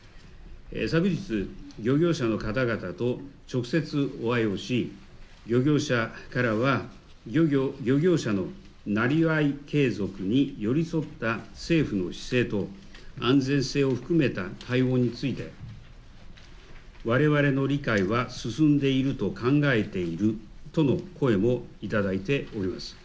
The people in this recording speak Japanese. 昨日、漁業者の方々と直接お会いをし漁業者からは漁業者のなりわい継続に寄り添った政府の姿勢と安全性を含めた対応についてわれわれの理解は進んでいると考えているとの声も頂いております。